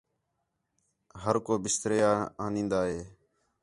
ہر کو بِسترے آ آنیدا ہِے